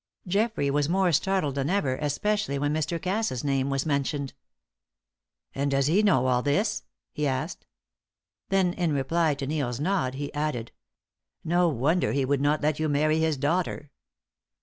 Geoffrey was more startled than ever, especially when Mr. Cass's name was mentioned. "And does he know all this?" he asked. Then, in reply to Neil's nod, he added: "No wonder he would not let you marry his daughter!"